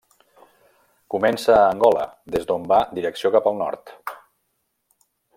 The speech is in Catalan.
Comença a Angola, des d'on va direcció cap al nord.